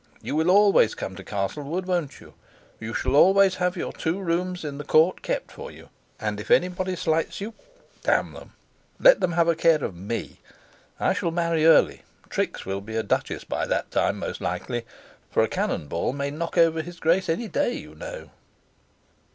You will always come to Castlewood, won't you? You shall always have your two rooms in the court kept for you; and if anybody slights you, d them! let them have a care of ME. I shall marry early Trix will be a duchess by that time, most likely; for a cannon ball may knock over his grace any day, you know."